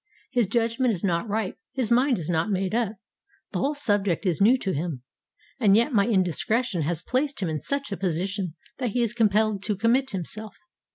His judgement is not ripe, his mind is not made up, the whole subject is new to him, and yet my indiscretion has placed him in such a position that he is compelled to commit himself.